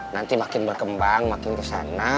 nanti makin berkembang makin kesana